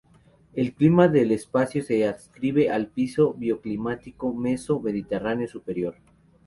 El clima del espacio se adscribe al piso bioclimático meso mediterráneo superior.